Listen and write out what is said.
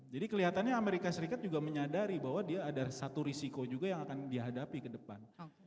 jadi kelihatannya amerika serikat juga menyadari bahwa dia ada satu risiko juga yang akan dihadapi ke depan